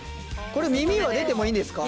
これ耳は出てもいいんですか？